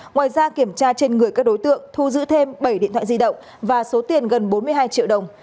ngoài ra kiểm tra trên người các đối tượng thu giữ thêm bảy điện thoại di động và số tiền gần bốn mươi hai triệu đồng